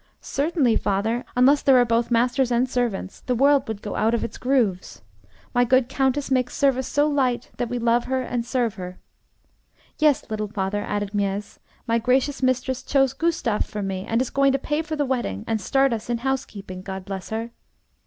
'Certainly, father: unless there are both masters and servants the world would go out of its grooves. My good Countess makes service so light, that we love and serve her. Yes, little father,' added Miez, 'my gracious mistress chose Gustav for me, and is going to pay for the wedding and start us in housekeeping God bless her!'